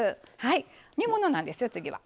煮物なんです、次は。